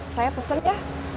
saya pesen ya